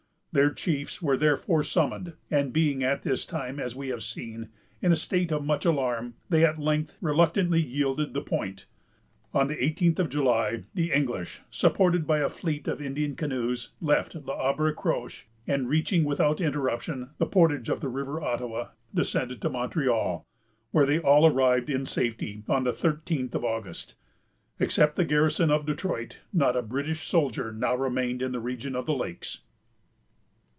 Their chiefs were therefore summoned; and being at this time, as we have seen, in a state of much alarm, they at length reluctantly yielded the point. On the eighteenth of July, the English, escorted by a fleet of Indian canoes, left L'Arbre Croche, and reaching, without interruption, the portage of the River Ottawa, descended to Montreal, where they all arrived in safety, on the thirteenth of August. Except the garrison of Detroit, not a British soldier now remained in the region of the lakes.